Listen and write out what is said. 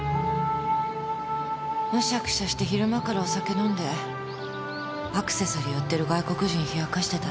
むしゃくしゃして昼間からお酒飲んでアクセサリー売ってる外国人冷やかしてたら。